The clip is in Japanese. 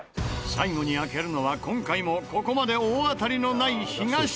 最後に開けるのは今回もここまで大当たりのない東山。